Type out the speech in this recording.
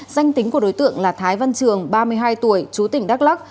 danh tính của đối tượng là thái văn trường ba mươi hai tuổi chú tỉnh đắk lắc